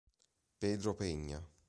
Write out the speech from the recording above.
Pedro Peña